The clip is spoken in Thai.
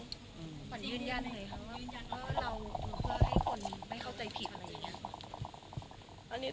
ขวัญยืนยันไหนคะว่าเราอยู่เพื่อให้คนไม่เข้าใจผิดอะไรอย่างนี้